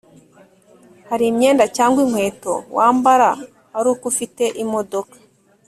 hari imyenda cyangwa inkweto wambara aruko ufite imodoka